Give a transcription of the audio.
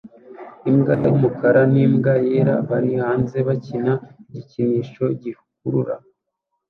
Imbwa y'umukara n'imbwa yera bari hanze bakina igikinisho gikurura